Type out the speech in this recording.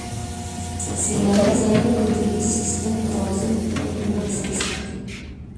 سیلاني ځایونه د طبعي سیسټم توازن په پوره ډول ساتي.